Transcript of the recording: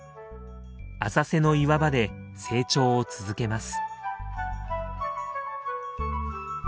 浅瀬の岩場で成長を続けます。